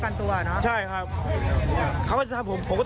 ก็เขาพาเมียผมไปครับ